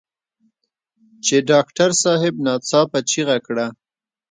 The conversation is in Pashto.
چې ډاکټر صاحب ناڅاپه چيغه کړه.